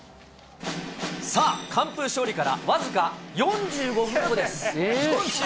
さあ、完封勝利から僅か４５分後です。